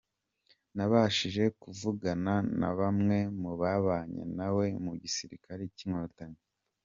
Nabashije kuvugana na bamwe mu babanye nawe mu gisirikare cy’Inkotanyi.